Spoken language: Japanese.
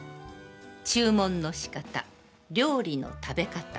注文の仕方、料理の食べ方。